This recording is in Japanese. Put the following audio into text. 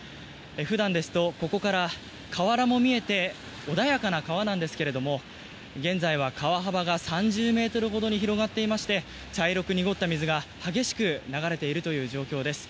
普段ですとここから河原も見えて穏やかな川なんですが現在は川幅が３０ｍほどに広がっていまして茶色く濁った水が激しく流れている状況です。